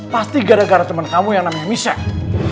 pasti gara gara teman kamu yang namanya michelle